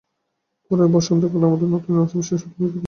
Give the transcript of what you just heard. পরে বসন্ত কালে, আমার নতুন পাওয়া আত্মবিশ্বাস সত্যিই পরীক্ষিত হয়েছিল।